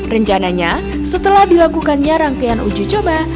rencananya setelah dilakukannya rangkaian uji coba